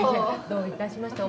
どういたしまして。